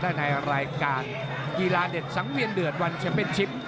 และในรายการกีฬาเด็ดสังเวียนเดือดวันแชมเป็นชิป